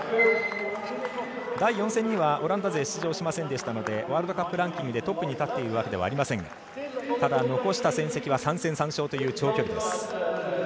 第４戦にはオランダ勢出場しませんでしたのでワールドカップランキングでトップに立っているわけではありませんがただ、残した戦績は３戦３勝の長距離です。